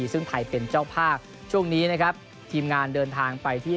ซึ่งไทยเป็นเจ้าภาพช่วงนี้นะครับทีมงานเดินทางไปที่